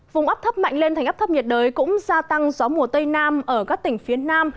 vùng áp thâm mạnh lên thành áp thâm nhật đời cũng gia tăng gió mùa tây nam ở các tỉnh phía nam